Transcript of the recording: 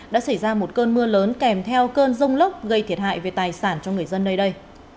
đã xảy ra một cơn mưa lớn kèm theo cơn rông lốc gây thiệt hại về tài sản cho người dân nơi đây